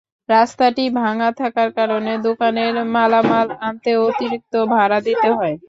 রাস্তাটি ভাঙা থাকার কারণে দোকানের মালামাল আনতে অতিরিক্ত ভাড়া দিতে হয়।